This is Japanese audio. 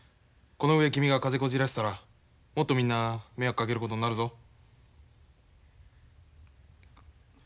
この上君が風邪こじらせたらもっとみんな迷惑かけることになるぞ。